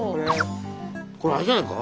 これあれじゃないか？